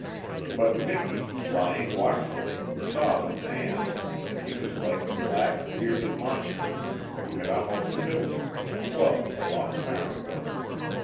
But Miki, lying watchfully, saw the man, and he was like the black, bearded monster who had almost killed him with a club a long time ago.